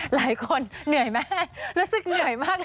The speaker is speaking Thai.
หลายคนเหนื่อยมากรู้สึกเหนื่อยมากเลย